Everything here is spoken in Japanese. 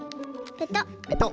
ペトッ。